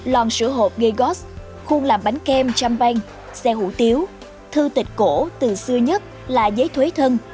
lòn sữa hộp gagos khuôn làm bánh kem champagne xe hủ tiếu thư tịch cổ từ xưa nhất là giấy thuế thân